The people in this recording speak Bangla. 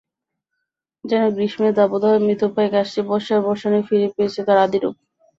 যেন গ্রীষ্মের দাবদাহে মৃতপ্রায় গাছটি বর্ষার বর্ষণে ফিরে পেয়েছে তার আদিরূপ।